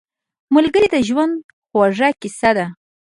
ملګری د ژوند خوږه کیسه ده